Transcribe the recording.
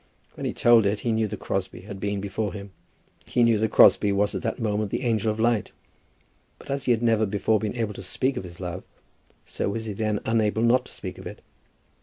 When he told it, he knew that Crosbie had been before him. He knew that Crosbie was at that moment the angel of light. But as he had never before been able to speak of his love, so was he then unable not to speak of it.